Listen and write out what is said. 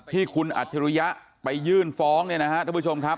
ที่คุณอัจฉริยะไปยื่นฟ้องเนี่ยนะฮะท่านผู้ชมครับ